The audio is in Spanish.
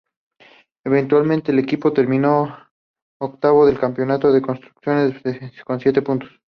Eventualmente el equipo terminó octavo en el Campeonato de Constructores con siete puntos.